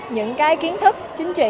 những cái kiến thức chính trị